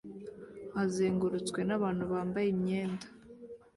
azengurutswe nabantu bambaye imyenda